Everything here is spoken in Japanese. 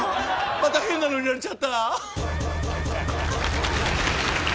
また変なのに入れられちゃった。